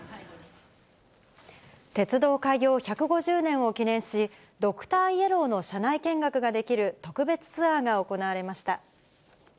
鉄道開業１５０年を記念し、ドクターイエローの車内見学ができる特別ツアーが行われました。